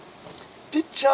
ピッチャー